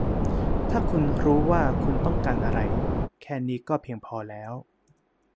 ถ้าคุณรู้ว่าคุณต้องการอะไร แค่นี้ก็เพียงพอแล้ว